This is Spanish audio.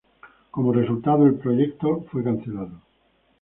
Como resultado, el proyecto fue cancelado.